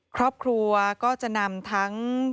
ครอบครัวก็จะนำทั้ง